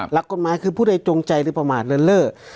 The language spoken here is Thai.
หลักกฎหมายคือพูดไว้จงใจหรือประมาทเรื่องเล่อ